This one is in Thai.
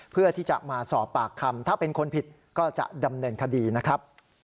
เพื่อที่จะมาสอบปากคำถ้าเป็นคนผิดก็จะดำเนินคดีนะครับ